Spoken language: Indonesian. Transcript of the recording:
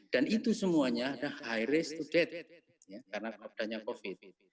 dan itu semuanya ada high risk to death karena obdanya covid